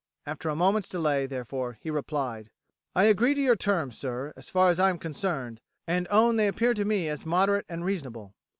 After a moment's delay, therefore, he replied: "I agree to your terms, sir, as far as I am concerned, and own they appear to me as moderate and reasonable.